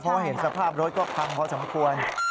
เพราะเห็นสภาพรถก็พังพอสมควร